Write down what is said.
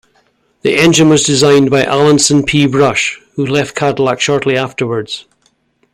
The engine was designed by Alanson P. Brush, who left Cadillac shortly afterwards.